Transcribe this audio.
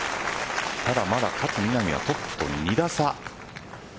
ただ、まだ勝みなみはトップと２打差。